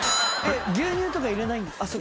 牛乳とか入れない？